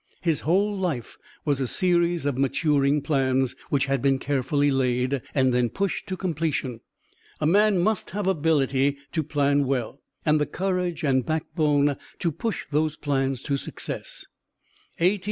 His whole life was a series of maturing plans, which had been carefully laid, and then pushed to completion. A man must have ability to plan well, and the courage and backbone to push those plans to success. A. T.